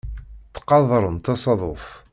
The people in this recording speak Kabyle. Ttqadarent asaḍuf.